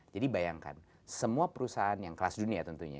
jadi bayangkan semua perusahaan yang kelas dunia tentunya